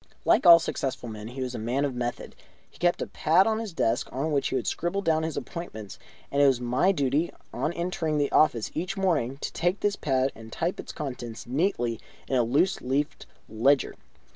Like all successful men, he was a man of method. He kept a pad on his desk on which he would scribble down his appointments, and it was my duty on entering the office each morning to take this pad and type its contents neatly in a loose leaved ledger.